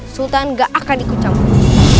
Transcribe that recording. sultan gak akan ikut campur